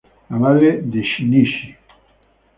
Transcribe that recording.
La madre de Shinichi.